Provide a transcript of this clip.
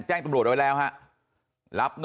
แจ้งตำรวจไว้แล้วฮะ